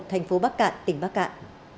thành phố bắc cạn tỉnh bắc cạn